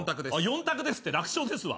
「４択です」って楽勝ですわ。